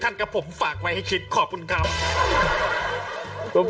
กับผมฝากไว้ให้คิดขอบคุณครับ